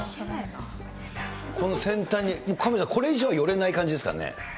この先端に、カメラ、これ以上は寄れない感じですかね？